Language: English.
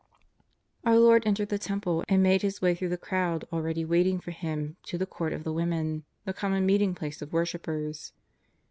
Our Lord entered the Tem ple and made His way through the crowd already waiting for Him to the Court of the Women, the com mon meeting place of worshippers.